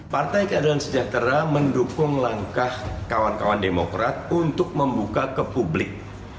partai keadilan sejahtera mendukung langkah kawan kawan demokrat untuk membuka ke publik